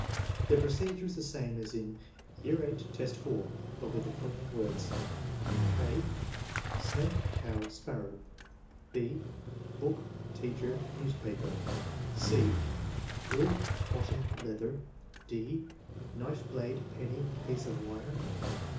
The procedure is the same as in VIII, 4, but with the following words: (a) Snake, cow, sparrow. (1) Boole, teacher, newspaper. (c) Wool, cotton, leather. (d) Knife blade, penny, piece of wire.